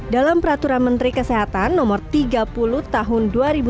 dalam peraturan menteri kesehatan no tiga puluh tahun dua ribu sembilan belas